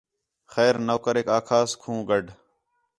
خیر نوکریک آکھاس کھوں گڈھ